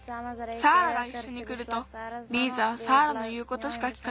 サーラがいっしょにくるとリーザはサーラのいうことしかきかなくなるから。